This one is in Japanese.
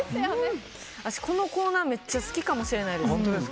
私、このコーナーめっちゃ好きかもしれないです。